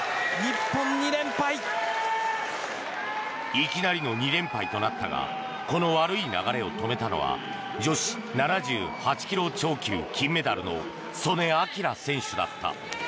いきなりの２連敗となったがこの悪い流れを止めたのは女子７８ｋｇ超級金メダルの素根輝選手だった。